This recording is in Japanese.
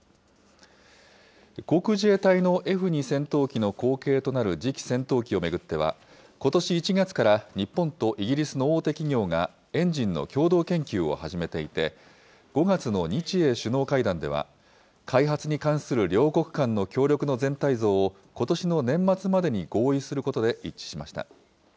航空自衛隊のＦ２戦闘機の後継となる次期戦闘機を巡っては、ことし１月から日本とイギリスの大手企業がエンジンの共同研究を始めていて、５月の日英首脳会談では開発に関する両国間の協力の全体像をことしの年末までに合意することで一致しました。